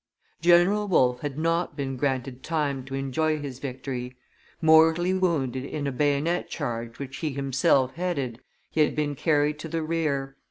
General Wolfe had not been granted time to enjoy his victory. Mortally wounded in a bayonet charge which he himself headed, he had been carried to the rear.